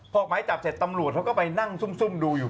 ออกหมายจับเสร็จตำรวจเขาก็ไปนั่งซุ่มดูอยู่